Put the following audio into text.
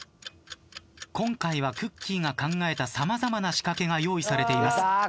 今回はくっきー！が考えた様々な仕掛けが用意されています。